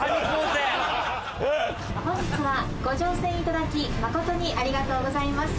本日はご乗船いただき誠にありがとうございます。